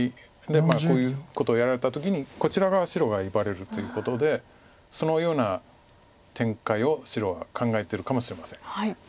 でこういうことをやられた時にこちら側白が威張れるということでそのような展開を白は考えてるかもしれません。